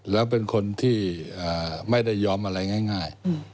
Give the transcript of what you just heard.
แล้วเป็นคนที่ไม่ได้ยอมอะไรง่าย